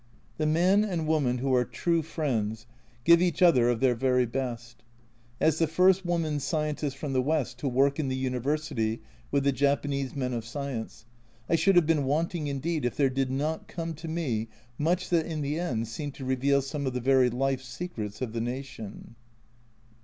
The man and woman who are true friends give each other of their very best. As the first woman scientist from the West to work in the University with the Japanese men of science, I should have been wanting indeed if there did not come to me much that in the end seemed to reveal some of the very life secrets of the nation.